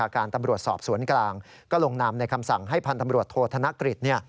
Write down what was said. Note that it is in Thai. การตำรวจสอบสวนกลางก็ลงนามในคำสั่งให้พันธ์ตำรวจโทษธนกฤษ